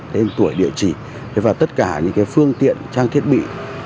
thế tuổi địa chỉ và tất cả những phương tiện trang thiết bị